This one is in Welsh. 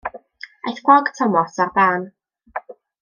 Aeth ffrog Thomas ar dân.